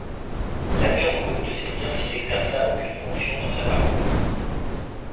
L’abbé Angot ne sait dire s’il exerça aucune fonction dans sa paroisse.